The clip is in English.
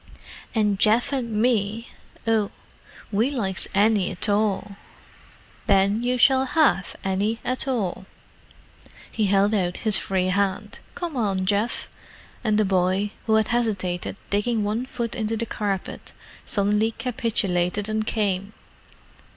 "And Geoff and me—oh, we likes any 'tall." "Then you shall have any at all." He held out his free hand. "Come on, Geoff." And the boy, who had hesitated, digging one foot into the carpet, suddenly capitulated and came.